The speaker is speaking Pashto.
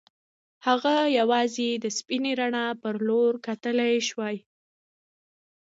هغه یوازې د سپینې رڼا په لور کتلای شوای